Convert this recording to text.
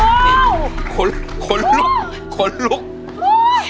รอบนี้คุณแม่ก็ให้การเสร็จสนุกเลยนะครับ